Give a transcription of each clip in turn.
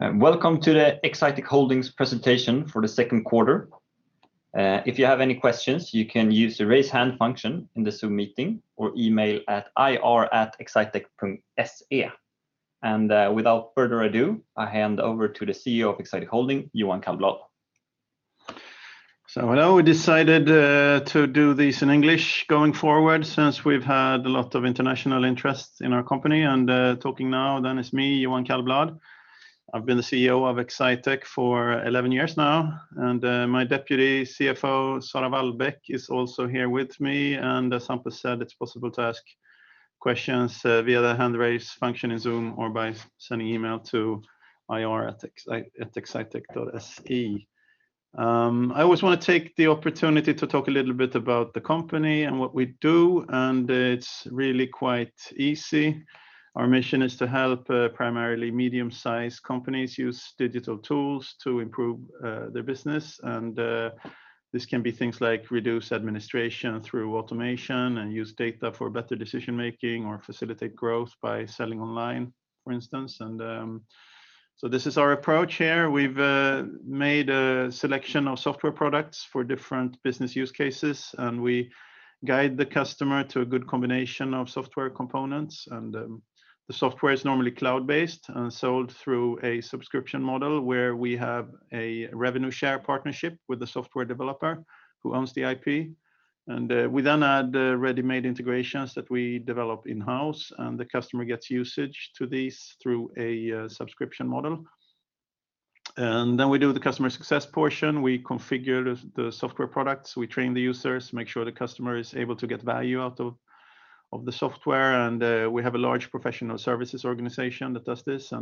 Welcome to the Exsitec Holding presentation for the second quarter. If you have any questions, you can use the raise hand function in the Zoom meeting or email at ir@exsitec.se. Without further ado, I hand over to the CEO of Exsitec Holding, Johan Kallblad. Hello. We decided to do this in English going forward, since we've had a lot of international interest in our company. Talking now then is me, Johan Kallblad. I've been the CEO of Exsitec for 11 years now, and my Deputy CFO, Sara Wahlbeck, is also here with me. As Sampo said, it's possible to ask questions via the hand raise function in Zoom or by sending email to ir@exsitec.se. I always want to take the opportunity to talk a little bit about the company and what we do, and it's really quite easy. Our mission is to help primarily medium-sized companies use digital tools to improve their business. This can be things like reduce administration through automation and use data for better decision-making, or facilitate growth by selling online, for instance. This is our approach here. We've made a selection of software products for different business use cases, we guide the customer to a good combination of software components. The software is normally cloud-based and sold through a subscription model where we have a revenue share partnership with the software developer who owns the IP. We then add ready-made integrations that we develop in-house, and the customer gets usage to these through a subscription model. Then we do the customer success portion. We configure the software products. We train the users to make sure the customer is able to get value out of the software, and we have a large professional services organization that does this.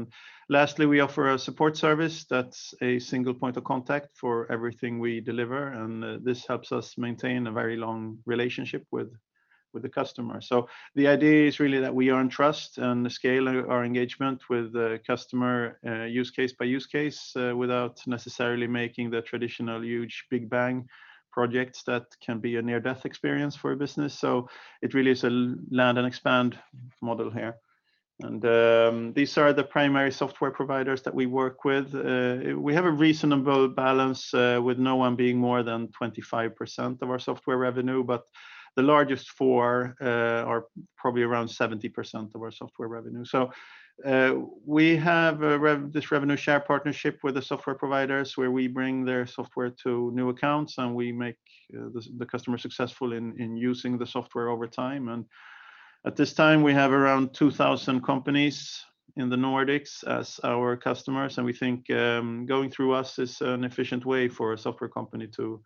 Lastly, we offer a support service that's a single point of contact for everything we deliver, and this helps us maintain a very long relationship with the customer. The idea is really that we earn trust and scale our engagement with the customer, use case by use case, without necessarily making the traditional huge big bang projects that can be a near-death experience for a business. It really is a land and expand model here. These are the primary software providers that we work with. We have a reasonable balance with no one being more than 25% of our software revenue, but the largest four are probably around 70% of our software revenue. We have this revenue share partnership with the software providers where we bring their software to new accounts, and we make the customer successful in using the software over time. At this time, we have around 2,000 companies in the Nordics as our customers, and we think going through us is an efficient way for a software company to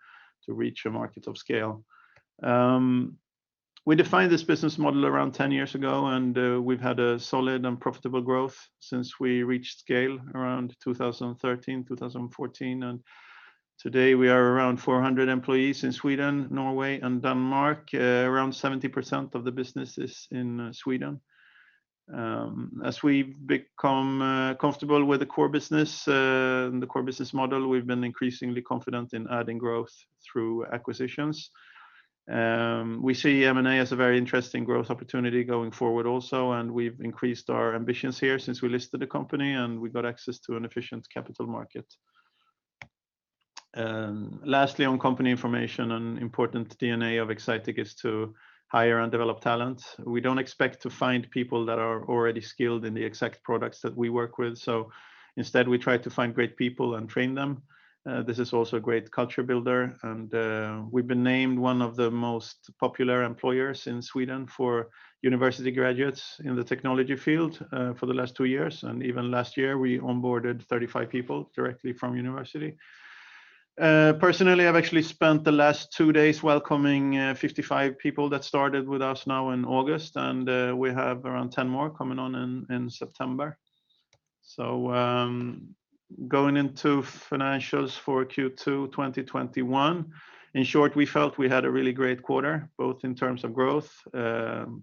reach a market of scale. We defined this business model around 10 years ago, and we've had a solid and profitable growth since we reached scale around 2013, 2014, and today we are around 400 employees in Sweden, Norway, and Denmark. Around 70% of the business is in Sweden. As we've become comfortable with the core business model, we've been increasingly confident in adding growth through acquisitions. We see M&A as a very interesting growth opportunity going forward also, and we've increased our ambitions here since we listed the company, and we got access to an efficient capital market. Lastly, on company information, an important DNA of Exsitec is to hire and develop talent. We don't expect to find people that are already skilled in the exact products that we work with. Instead, we try to find great people and train them. This is also a great culture builder. We've been named one of the most popular employers in Sweden for university graduates in the technology field for the last two years. Even last year, we onboarded 35 people directly from university. Personally, I've actually spent the last two days welcoming 55 people that started with us now in August. We have around 10 more coming on in September. Going into financials for Q2 2021. In short, we felt we had a really great quarter, both in terms of growth and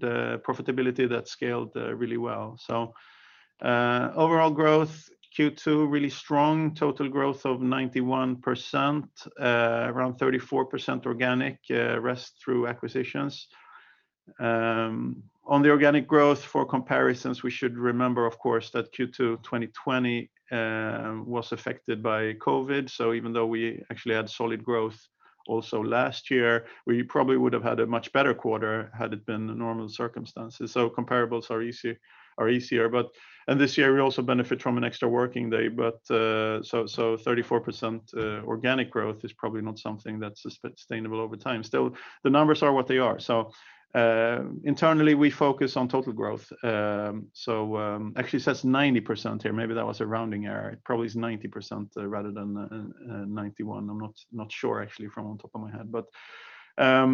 profitability that scaled really well. Overall growth, Q2, really strong. Total growth of 91%, around 34% organic, rest through acquisitions. The organic growth, for comparisons, we should remember, of course, that Q2 2020 was affected by COVID. Even though we actually had solid growth also last year, we probably would have had a much better quarter had it been normal circumstances. Comparables are easier. This year we also benefit from an extra working day, 34% organic growth is probably not something that's sustainable over time. Still, the numbers are what they are. Internally, we focus on total growth. Actually, it says 90% here. Maybe that was a rounding error. It probably is 90% rather than 91. I'm not sure, actually, from on top of my head.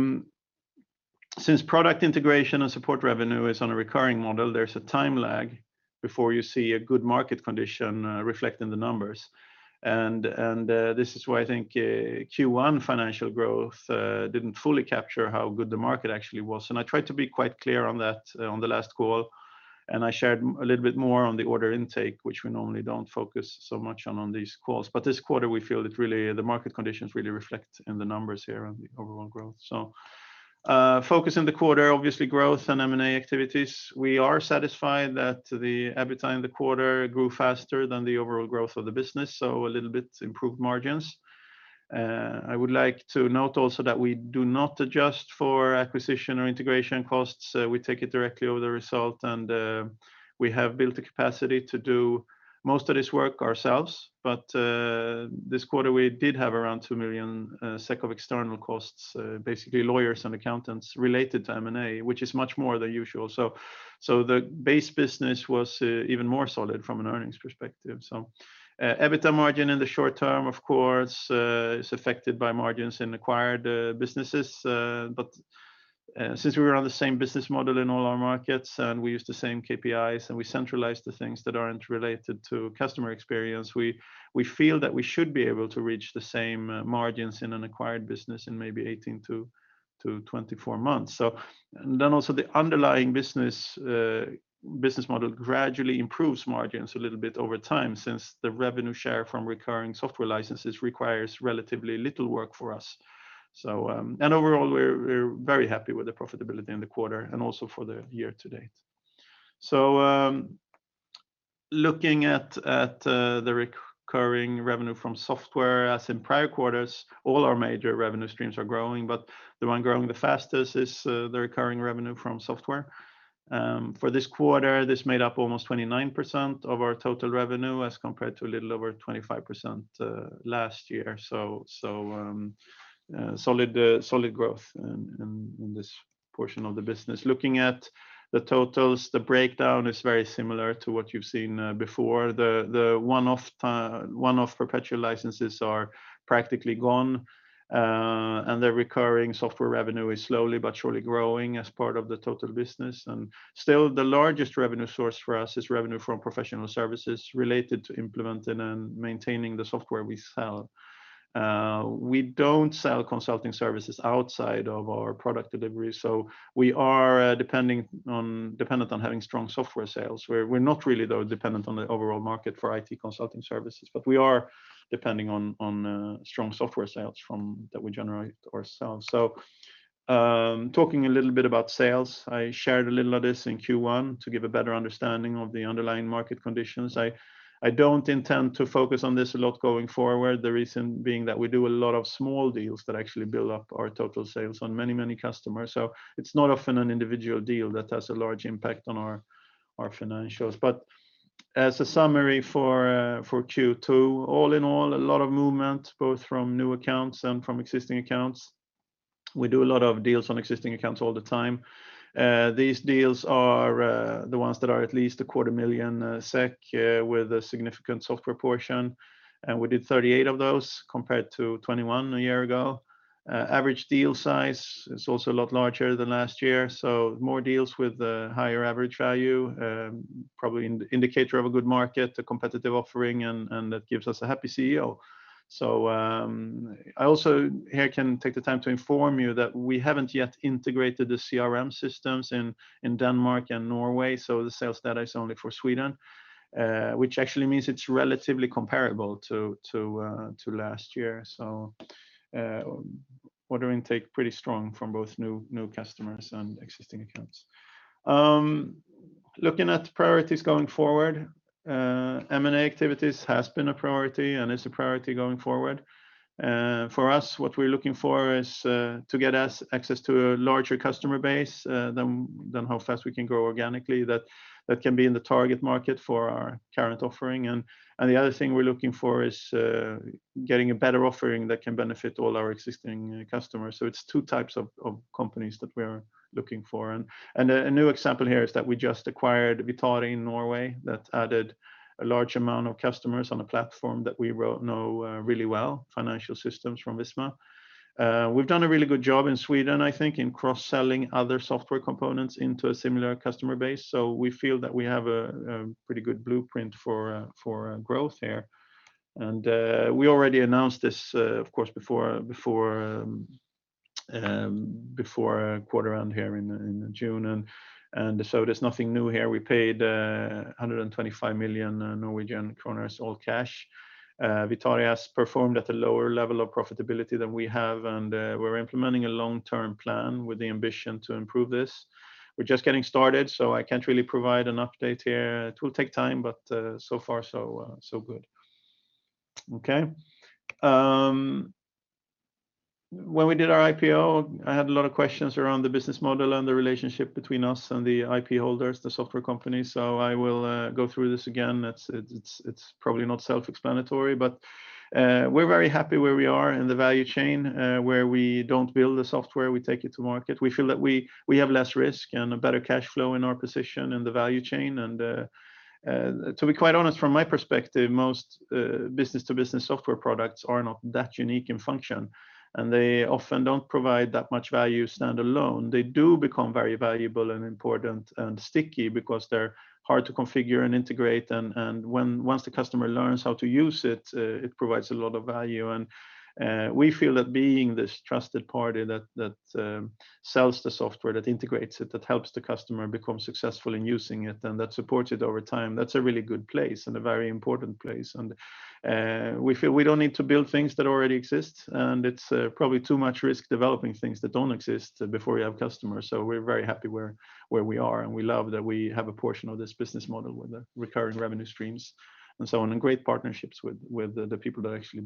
Since product integration and support revenue is on a recurring model, there's a time lag before you see a good market condition reflect in the numbers. This is why I think Q1 financial growth didn't fully capture how good the market actually was, and I tried to be quite clear on that on the last call, and I shared a little bit more on the order intake, which we normally don't focus so much on these calls. This quarter, we feel that really the market conditions really reflect in the numbers here on the overall growth. Focus in the quarter, obviously growth and M&A activities. We are satisfied that the EBITDA in the quarter grew faster than the overall growth of the business, so a little bit improved margins. I would like to note also that we do not adjust for acquisition or integration costs. We take it directly over the result, and we have built the capacity to do most of this work ourselves. This quarter, we did have around 2 million SEK of external costs, basically lawyers and accountants related to M&A, which is much more than usual. The base business was even more solid from an earnings perspective. EBITDA margin in the short term, of course, is affected by margins in acquired businesses. Since we run the same business model in all our markets and we use the same KPIs and we centralize the things that aren't related to customer experience, we feel that we should be able to reach the same margins in an acquired business in maybe 18-24 months. Then also the underlying business model gradually improves margins a little bit over time, since the revenue share from recurring software licenses requires relatively little work for us. Overall, we're very happy with the profitability in the quarter and also for the year to date. Looking at the recurring revenue from software, as in prior quarters, all our major revenue streams are growing, but the one growing the fastest is the recurring revenue from software. For this quarter, this made up almost 29% of our total revenue as compared to a little over 25% last year. Solid growth in this portion of the business. Looking at the totals, the breakdown is very similar to what you've seen before. The one-off perpetual licenses are practically gone, and their recurring software revenue is slowly but surely growing as part of the total business. Still the largest revenue source for us is revenue from professional services related to implementing and maintaining the software we sell. We don't sell consulting services outside of our product delivery, so we are dependent on having strong software sales. We're not really though dependent on the overall market for IT consulting services, but we are depending on strong software sales that we generate ourselves. Talking a little bit about sales. I shared a little of this in Q1 to give a better understanding of the underlying market conditions. I don't intend to focus on this a lot going forward, the reason being that we do a lot of small deals that actually build up our total sales on many customers. It's not often an individual deal that has a large impact on our financials. As a summary for Q2, all in all, a lot of movement, both from new accounts and from existing accounts. We do a lot of deals on existing accounts all the time. These deals are the ones that are at least a quarter million SEK with a significant software portion. We did 38 of those compared to 21 a year ago. Average deal size is also a lot larger than last year. More deals with a higher average value, probably an indicator of a good market, a competitive offering, and that gives us a happy CEO. I also here can take the time to inform you that we haven't yet integrated the CRM systems in Denmark and Norway, so the sales data is only for Sweden, which actually means it's relatively comparable to last year. Order intake pretty strong from both new customers and existing accounts. Looking at priorities going forward, M&A activities has been a priority and is a priority going forward. For us, what we're looking for is to get access to a larger customer base than how fast we can grow organically that can be in the target market for our current offering. The other thing we're looking for is getting a better offering that can benefit all our existing customers. It's two types of companies that we're looking for. A new example here is that we just acquired Vitari in Norway that added a large amount of customers on a platform that we know really well, financial systems from Visma. We've done a really good job in Sweden, I think, in cross-selling other software components into a similar customer base. We feel that we have a pretty good blueprint for growth here. We already announced this, of course, before our quarter around here in June. There's nothing new here. We paid 125 million Norwegian kroner, all cash. Vitari has performed at a lower level of profitability than we have, and we're implementing a long-term plan with the ambition to improve this. We're just getting started, so I can't really provide an update here. It will take time, but so far so good. Okay. When we did our IPO, I had a lot of questions around the business model and the relationship between us and the IP holders, the software company. I will go through this again. It's probably not self-explanatory, but we're very happy where we are in the value chain, where we don't build the software, we take it to market. We feel that we have less risk and a better cash flow in our position in the value chain. o be quite honest, from my perspective, most business-to-business software products are not that unique in function, and they often don't provide that much value standalone. They do become very valuable and important and sticky because they're hard to configure and integrate, and once the customer learns how to use it provides a lot of value. We feel that being this trusted party that sells the software, that integrates it, that helps the customer become successful in using it, and that supports it over time, that's a really good place and a very important place. We feel we don't need to build things that already exist, and it's probably too much risk developing things that don't exist before you have customers. We're very happy where we are, and we love that we have a portion of this business model with the recurring revenue streams and so on, and great partnerships with the people that actually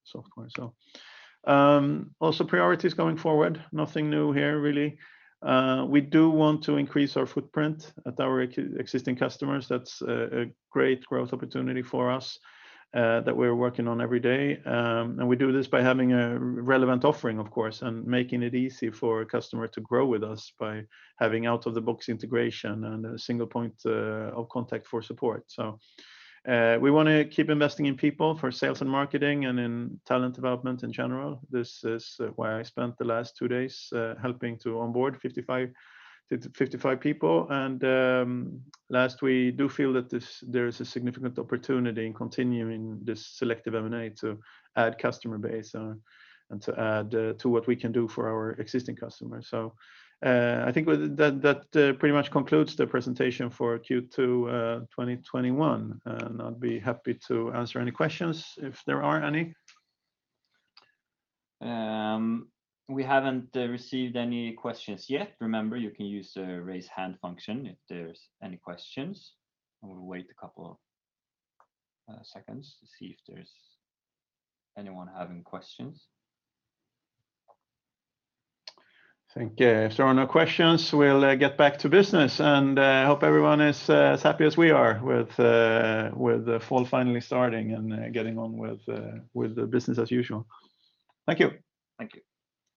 build software. Also priorities going forward. Nothing new here, really. We do want to increase our footprint at our existing customers. That's a great growth opportunity for us that we're working on every day. We do this by having a relevant offering, of course, and making it easy for a customer to grow with us by having out-of-the-box integration and a single point of contact for support. We want to keep investing in people for sales and marketing and in talent development in general. This is where I spent the last two days, helping to onboard 55 people. Last, we do feel that there is a significant opportunity in continuing this selective M&A to add customer base and to add to what we can do for our existing customers. I think that pretty much concludes the presentation for Q2 2021. I'd be happy to answer any questions if there are any. We haven't received any questions yet. Remember, you can use the raise hand function if there's any questions. We'll wait a couple of seconds to see if there's anyone having questions. I think if there are no questions, we'll get back to business. I hope everyone is as happy as we are with fall finally starting and getting on with the business as usual. Thank you. Thank you.